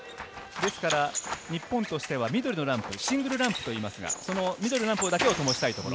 ですから日本としては緑のランプ、シングルランプといいますが、緑のランプだけをともしたいところ。